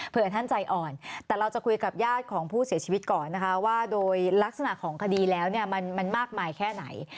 เพื่อท่านใจอ่อนแต่เราจะคุยกับญาติของผู้เสียชีวิตก่อนนะคะว่าโดยลักษณะของคดีแล้วเนี่ยมันมากมายแค่ไหน